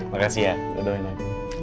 makasih ya udah doain aku